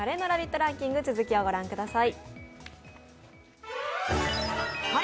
ランキング、続きを御覧ください。